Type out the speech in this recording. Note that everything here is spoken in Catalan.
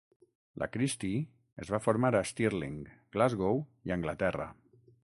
La Christie es va formar a Stirling, Glasgow i Anglaterra.